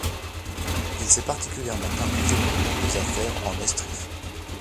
Il s'est particulièrement impliqué dans le monde des affaires en Estrie.